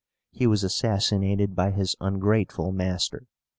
He was assassinated by his ungrateful master.